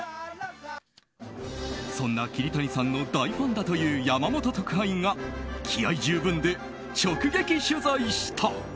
そんな桐谷さんの大ファンだという山本特派員が気合十分で直撃取材した。